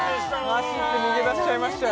走って逃げ出しちゃいましたよ